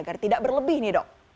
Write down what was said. agar tidak berlebih nih dok